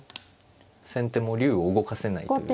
先手も竜を動かせないという。